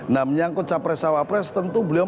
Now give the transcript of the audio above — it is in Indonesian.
nah menyangkut capres cawapres tentu beliau